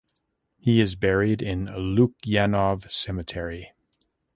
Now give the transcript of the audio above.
He is buried in Lukyanov Cemetery.